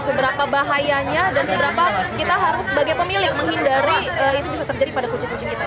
seberapa bahayanya dan seberapa kita harus sebagai pemilik menghindari itu bisa terjadi pada kucing kucing kita